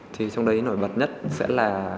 thì trong đấy nổi bật nhất sẽ là